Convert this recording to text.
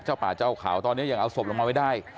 ป่าเจ้าเขาตอนนี้ยังเอาศพลงมาไว้ได้